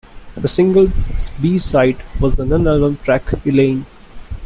The single's B-side was the non-album track "Elaine".